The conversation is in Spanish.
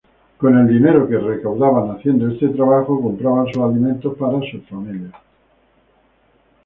Con el dinero que recaudaban haciendo este trabajo compraban sus alimentos para sus familias.